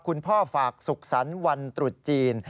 คุณพ่อฝากสุขสรรค์วันตรุษจีน